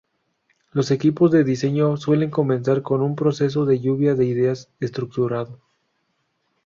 Los equipos de diseño suelen comenzar con un proceso de lluvia de ideas estructurado.